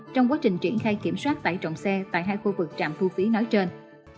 trong quá trình triển khai kiểm soát tải trọng xe tại hai khu vực trạm thu phí nói trên